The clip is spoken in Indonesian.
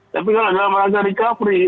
tapi kalau dalam rangka recovery